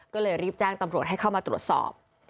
ก็เลยรีบแจ้งตำรวจให้เข้ามาตรวจสอบ